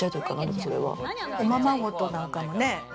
おままごとなんかもね。